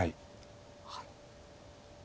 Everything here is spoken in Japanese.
はい。